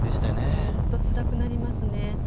本当につらくなりますね。